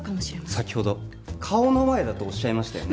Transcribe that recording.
先ほど顔の前だとおっしゃいましたよね？